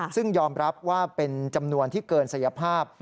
ซึ่งยอมรับว่าเป็นจำนวนที่เกินศักยภาพ